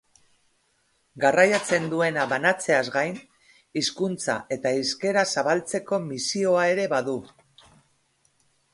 Garraiatzen duena banatzeaz gain, hizkuntza eta hizkera zabaltzeko misioa ere badu.